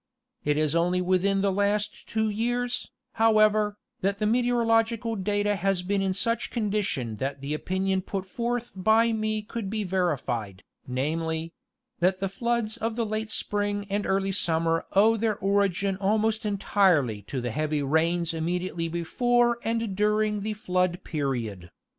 It is only within the last two years, however, that the meteorological data has been in such condition that the opinion put forth by me could be verified, namely : that the floods of the late spring and early summer owe their origin almost entirely to the heavy rains immediately before and during the flood period.